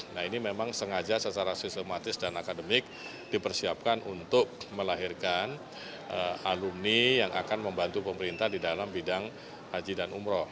nah ini memang sengaja secara sistematis dan akademik dipersiapkan untuk melahirkan alumni yang akan membantu pemerintah di dalam bidang haji dan umroh